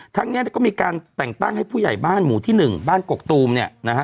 ทั้งนี้ก็มีการแต่งตั้งให้ผู้ใหญ่บ้านหมู่ที่๑บ้านกกตูมเนี่ยนะฮะ